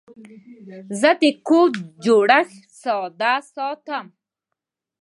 زه د کوډ جوړښت ساده ساتم.